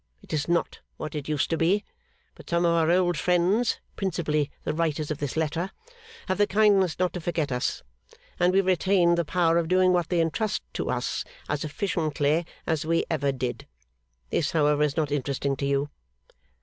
It is not what it used to be; but some of our old friends (principally the writers of this letter) have the kindness not to forget us, and we retain the power of doing what they entrust to us as efficiently as we ever did. This however is not interesting to you.